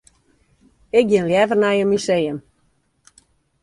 Ik gean leaver nei in museum.